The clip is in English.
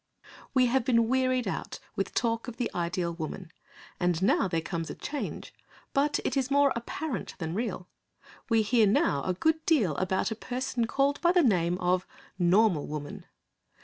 We have been wearied out with talk of the ideal woman, and now there comes a change, but it is more apparent than real. We hear now a good deal about a person called by the name of Normal Woman.